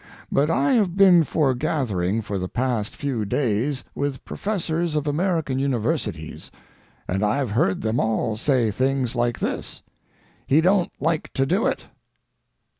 But I have been foregathering for the past few days with professors of American universities, and I've heard them all say things like this: "He don't like to do it."